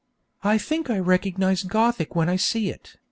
I think I recognise Gothic when I see it.